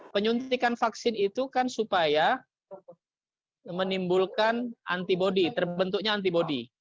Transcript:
penyuntikan vaksin itu kan supaya menimbulkan antibodi terbentuknya antibodi